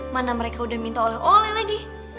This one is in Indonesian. mana mereka udah minta oleh oleh lagi